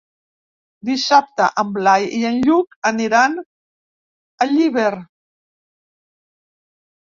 Dissabte en Blai i en Lluc aniran a Llíber.